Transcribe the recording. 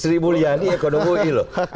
sri mulyani ekonomi loh